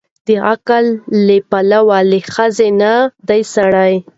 د عقل له پلوه له ښځې نه د سړي